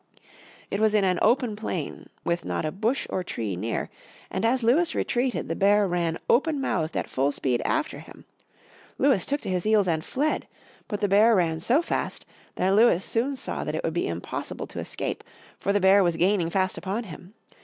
It was in an open plain with not a bush or tree near; and as Lewis retreated the bear ran open mouthed at full speed after him. Lewis took to his heels and fled. But the bear ran so fast that Lewis soon saw that it would be impossible to escape, for the bear was gaining fast upon him.